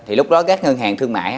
thì lúc đó các ngân hàng thương mại